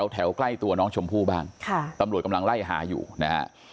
ใกล้ตัวน้องชมพู่บ้างตำรวจกำลังไล่หาอยู่นะฮะ